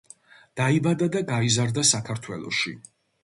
დაიბადა და გაიზარდა საქართველოში.